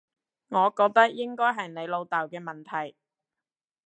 我覺得應該係你老豆嘅問題